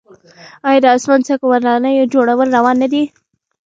آیا د اسمان څکو ودانیو جوړول روان نه دي؟